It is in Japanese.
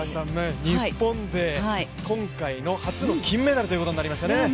日本勢、今回の初の金メダルとなりましたね。